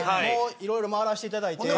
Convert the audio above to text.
いろいろ回らせていただいて。